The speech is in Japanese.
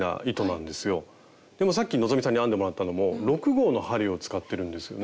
でもさっき希さんに編んでもらったのも６号の針を使ってるんですよね。